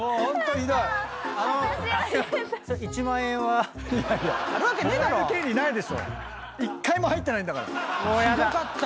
ひどかった。